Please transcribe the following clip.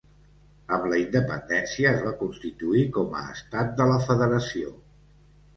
Amb la independència es va constituir com a estat de la federació.